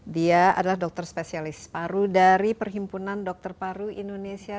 dia adalah dokter spesialis paru dari perhimpunan dokter paru indonesia